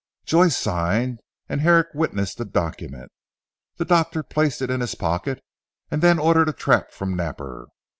So Joyce signed and Herrick witnessed the document. The doctor placed it in his pocket and then ordered a trap from Napper.